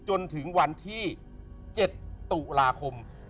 จนถึงวันที่๗ตุลาคม